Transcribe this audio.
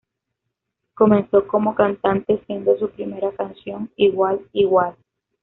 Comenzó como cantante siendo su primera canción "Igual igual".